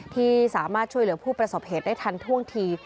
ที่สามารถช่วยเหลือผู้ประสบเหตุได้ทันท่วงที